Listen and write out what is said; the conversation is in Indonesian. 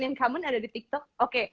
yang common ada di tiktok oke